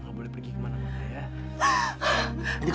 nggak boleh pergi kemana mana ya